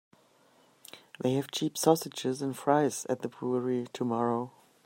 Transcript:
They have cheap sausages and fries at the brewery tomorrow.